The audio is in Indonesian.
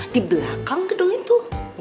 di belakang gedung itu